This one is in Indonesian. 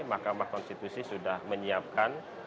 makamah konstitusi sudah menyiapkan